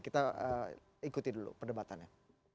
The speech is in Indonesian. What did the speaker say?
kita ikuti dulu perdebatannya